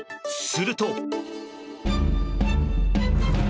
すると。